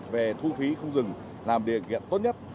về thu phí không dừng là một điều kiện tốt nhất